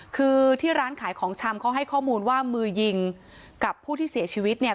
คือที่ร้านขายของชำเขาให้ข้อมูลว่ามือยิงกับผู้ที่เสียชีวิตเนี่ย